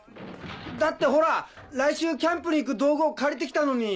だってほら来週キャンプに行く道具を借りて来たのに。